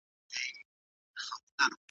تر غرمي به مي ټول کارونه خلاص کړي وي.